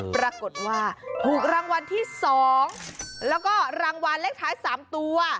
ปรากฏว่าถูกรางวัลที่๒แล้วก็รางวัลเลขท้าย๓ตัว